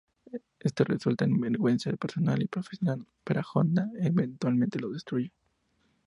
Esto resulta en vergüenza personal y profesional para Honda, y eventualmente lo destruye.